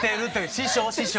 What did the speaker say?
師匠師匠。